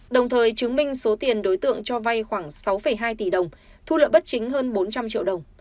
đồng thời chứng minh số tiền đối tượng cho vay khoảng sáu hai tỷ đồng thu lợi bất chính hơn bốn trăm linh triệu đồng